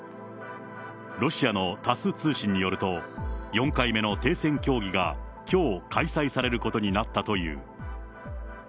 ロシアのタス通信によると、４回目の停戦協議がきょう開催されることになったという。